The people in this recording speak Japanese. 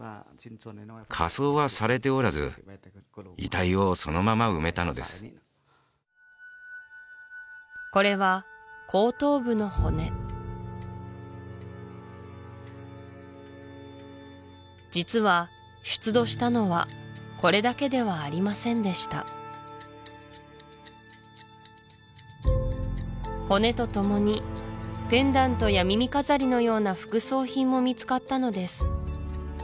火葬はされておらず遺体をそのまま埋めたのですこれは後頭部の骨実は出土したのはこれだけではありませんでした骨と共にペンダントや耳飾りのような副葬品も見つかったのです